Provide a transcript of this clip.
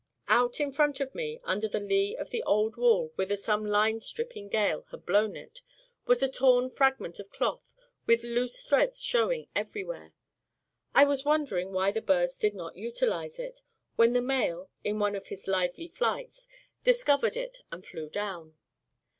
Out in front of me, under the lee of the old wall whither some line stripping gale had blown it, was a torn fragment of cloth with loose threads showing everywhere. I was wondering why the birds did not utilize it, when the male, in one of his lively flights, discovered it and flew down.